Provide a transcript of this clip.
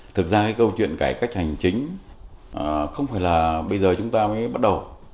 thực ra cái câu chuyện cải cách hành chính không phải là bây giờ chúng ta mới bắt đầu